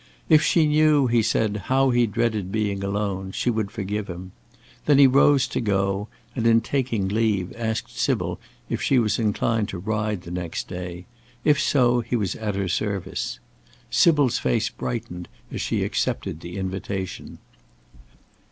If she knew, he said, how he dreaded being alone, she would forgive him. Then he rose to go, and, in taking leave, asked Sybil if she was inclined to ride the next day; if so, he was at her service. Sybil's face brightened as she accepted the invitation.